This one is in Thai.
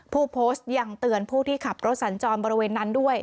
ผู้โพสต์ยังเตือนผู้ที่ขับรถสัญจรบริเวณนั้นด้วย